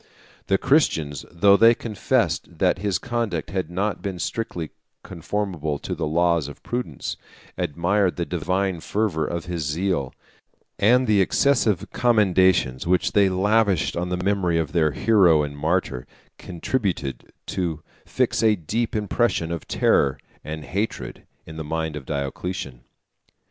The Christians, though they confessed that his conduct had not been strictly conformable to the laws of prudence, admired the divine fervor of his zeal; and the excessive commendations which they lavished on the memory of their hero and martyr, contributed to fix a deep impression of terror and hatred in the mind of Diocletian.